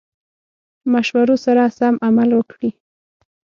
مشورو سره سم عمل وکړي.